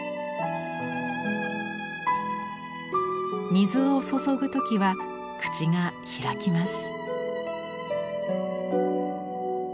水を注ぐときは口が開きます。